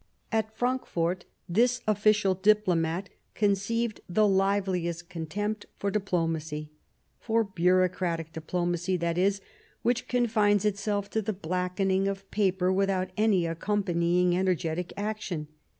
At Frankfort this official diplomat conceived the liveliest contempt for diplomacy — for bureaucratic diplomacy, that is — which confines itself to the blackening of paper without any accompanying energetic action.